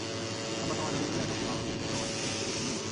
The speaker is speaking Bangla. লম্বা সময় ধরে চলে আসা সেই মামলা বিভিন্ন সময় নিয়েছে বিভিন্ন মোড়।